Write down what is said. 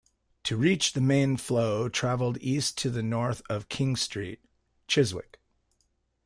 To reach the main flow travelled east to the north of King Street, Chiswick.